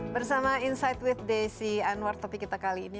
bersama insight with desi anwar topik kita kali ini